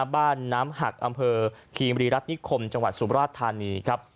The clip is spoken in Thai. บ้านน้ำหักอำเภอคีมรีรัฐนิคมจังหวัดสุมราชธานีครับ